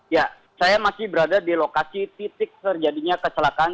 ya saya masih berada di lokasi titik terjadinya kecelakaan